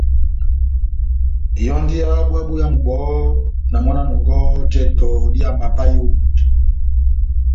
Yɔ́ndi yá búwa boyamu bɔhɔ́, na mɔ́ na nɔngɔhɔ jɛtɛ dá ihámba vahe ó Ebunja.